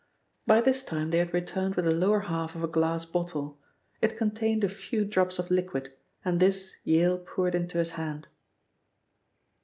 By this time they had returned with the lower half of a glass bottle. It contained a few drops of liquid, and this Yale poured into his hand.